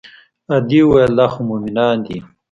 ادې وويل دا خو مومنان دي.